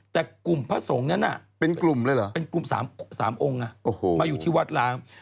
แต่กลุ่มพระสงฆ์นั้นเป็นกลุ่มเลยเหรอเป็นกลุ่ม๓องค์มาอยู่ที่วัดล้าง